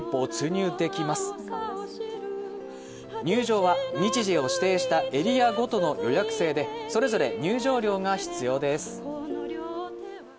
入場は日時を指定したエリアごとの予約制でそれぞれ入場料が必要です。